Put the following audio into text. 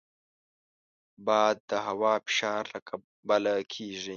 باد د هوا فشار له کبله کېږي